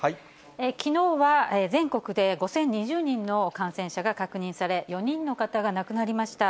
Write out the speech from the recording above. きのうは、全国で５０２０人の感染者が確認され、４人の方が亡くなりました。